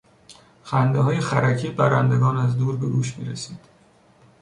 خندههای خرکی برندگان از دور به گوش میرسید.